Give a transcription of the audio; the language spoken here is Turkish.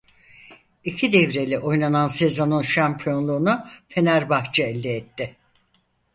İki devreli oynanan sezonun şampiyonluğunu Fenerbahçe elde etti.